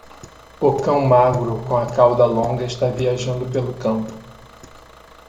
O cão magro com a cauda longa está viajando pelo campo.